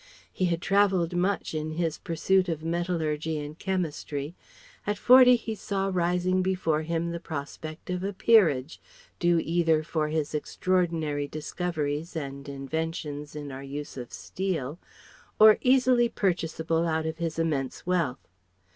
He had travelled much in his pursuit of metallurgy and chemistry; at forty he saw rising before him the prospect of a peerage, due either for his extraordinary discoveries and inventions in our use of steel, or easily purchasable out of his immense wealth.